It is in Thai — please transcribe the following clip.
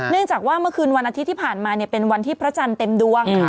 เนื่องจากว่าเมื่อคืนวันอาทิตย์ที่ผ่านมาเป็นวันที่พระจันทร์เต็มดวง